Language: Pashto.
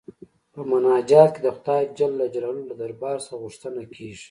په مناجات کې د خدای جل جلاله له دربار څخه غوښتنه کيږي.